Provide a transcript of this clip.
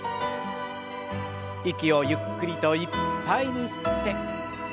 息をゆっくりといっぱいに吸って。